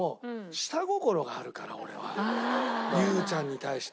俺は優ちゃんに対して。